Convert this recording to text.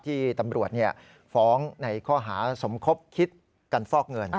ที่ตำรวจฟ้องในข้อหาสมคบคิดกันฟอกเงิน